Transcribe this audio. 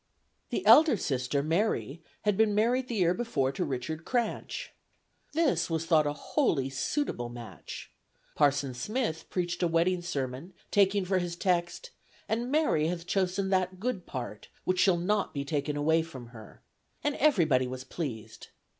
The elder sister Mary had been married the year before to Richard Cranch. This was thought a wholly suitable match. Parson Smith preached a wedding sermon, taking for his text, "And Mary hath chosen that good part, which shall not be taken away from her," and everybody was pleased.